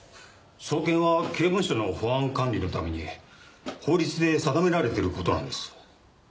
捜検は刑務所の保安管理のために法律で定められてる事なんです。